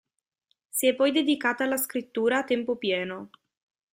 Si è poi dedicata alla scrittura a tempo pieno.